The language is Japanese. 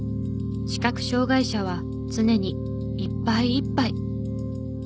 視覚障がい者は常にいっぱいいっぱい。